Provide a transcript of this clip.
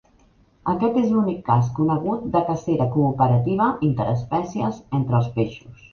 Aquest és l'únic cas conegut de cacera cooperativa interespècies entre els peixos.